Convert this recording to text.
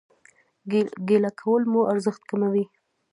ګيله کول مو ارزښت کموي